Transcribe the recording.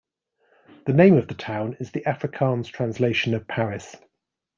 The name of the town is the Afrikaans translation of Paris.